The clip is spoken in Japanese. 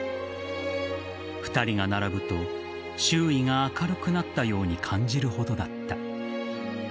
２人が並ぶと周囲が明るくなったように感じるほどだった。